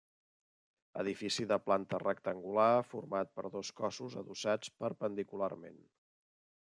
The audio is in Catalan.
Edifici de planta rectangular format per dos cossos adossats perpendicularment.